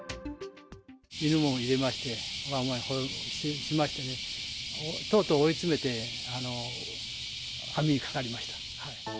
犬も入れまして、わんわんほえましてね、とうとう追い詰めて、網にかかりました。